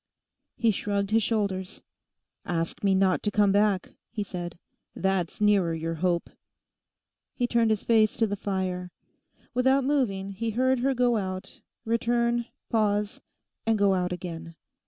He shrugged his shoulders. 'Ask me not to come back,' he said; 'that's nearer your hope.' He turned his face to the fire. Without moving he heard her go out, return, pause, and go out again.